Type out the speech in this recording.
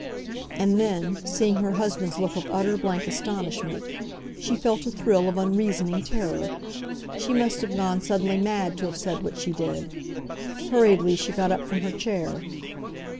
And then, seeing her husband's look of utter, blank astonishment, she felt a thrill of unreasoning terror. She must have gone suddenly mad to have said what she did! Hurriedly she got up from her chair.